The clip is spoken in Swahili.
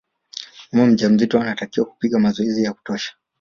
mama mjamzito anatakiwa kupiga mazoezi ya kutosha